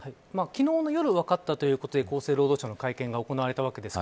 昨日の夜分かったということで厚生労働省の会見が行われたわけです。